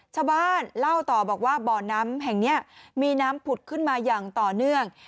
ชาวบ้านเล่าต่อบอกว่าบ่อน้ำแห่งนี้มีน้ำผุดขึ้นมาอย่างต่อเนื่อง